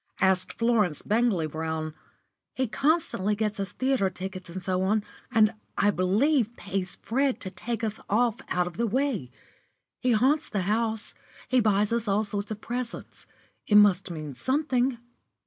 asked Florence Bangley Brown. "He constantly gets us theatre tickets and so on, and I believe pays Fred to take us off out of the way. He haunts the house. He buys us all sorts of presents. It must mean something."